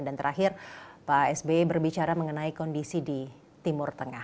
dan terakhir pak sbe berbicara mengenai kondisi di timur tengah